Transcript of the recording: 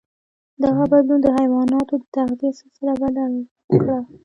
دغه بدلون د حیواناتو د تغذيې سلسله بدل کړه.